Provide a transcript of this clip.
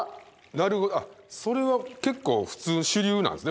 それは結構普通主流なんですね。